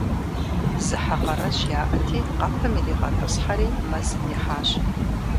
Зы хьэ къарэжь яӏэти, къэпым иригъэтӏысхьэри, мэзым ихьащ.